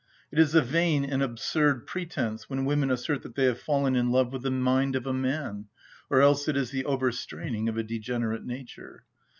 It is a vain and absurd pretence when women assert that they have fallen in love with the mind of a man, or else it is the over‐straining of a degenerate nature.